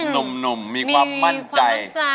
หนุ่มมีความมั่นใจ